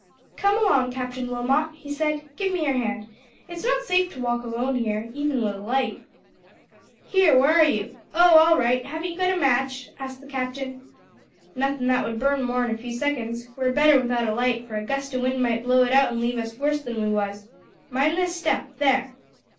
"Come along, Captain Wilmot," he said, "give me your hand, sir. It's not safe to walk alone here, even wi' a light." "Here, where are you? Oh! All right. Haven't you got a match?" asked the captain. "Nothin' that would burn more'n a few seconds. We're better without a light, for a gust o' wind might blow it out an' leave us worse than we was. Mind this step. There."